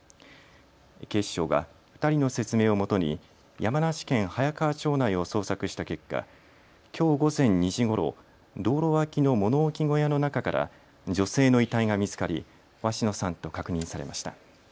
警視庁が２人の説明をもとに山梨県早川町内を捜索した結果きょう午前２時ごろ、道路脇の物置小屋の中から女性の遺体が見つかり鷲野さんと確認されました。